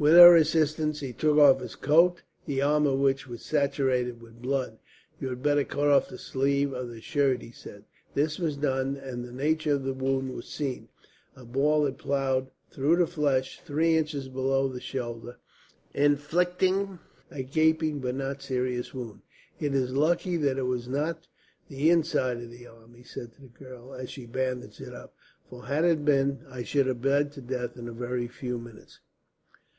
With her assistance he took off his coat, the arm of which was saturated with blood. "You had better cut off the sleeve of the shirt," he said. This was done, and the nature of the wound was seen. A ball had ploughed through the flesh three inches below the shoulder, inflicting a gaping but not serious wound. "It is lucky that it was not the inside of the arm," he said to the girl, as she bandaged it up; "for had it been, I should have bled to death in a very few minutes.